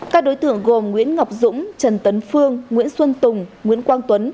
các đối tượng gồm nguyễn ngọc dũng trần tấn phương nguyễn xuân tùng nguyễn quang tuấn